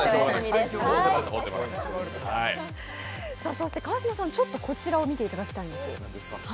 そして川島さん、こちらを見ていただきたいんです。